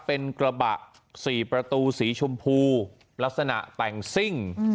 เป็นกระบะ๔ประตูสีชมพูลักษณะแต่งซิ่ง